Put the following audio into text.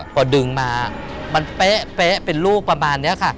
พอดึงมามันเป๊ะเป็นลูกประมาณนี้ค่ะ